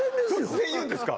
突然言うんですか